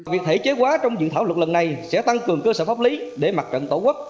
việc thể chế quá trong dự thảo luật lần này sẽ tăng cường cơ sở pháp lý để mặt trận tổ quốc